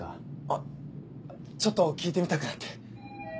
あっちょっと聞いてみたくなって。